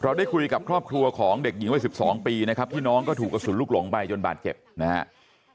ได้คุยกับครอบครัวของเด็กหญิงวัย๑๒ปีนะครับที่น้องก็ถูกกระสุนลูกหลงไปจนบาดเจ็บนะครับ